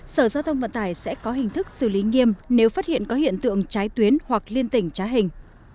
sở giao thông vận tải sẽ có hình thức xử lý nghiêm nếu phát hiện có hiện tượng trái tuyến hoặc liên tỉnh trái hình